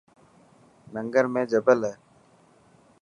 ننگر ۾ جبل هي.